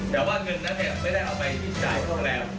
แต่ว่าเงินนั้นไม่ได้เอาไปจ่ายโรงแรม